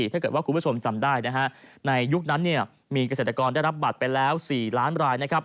ถ้าเกิดว่าคุณผู้ชมจำได้นะฮะในยุคนั้นมีเกษตรกรได้รับบัตรไปแล้ว๔ล้านรายนะครับ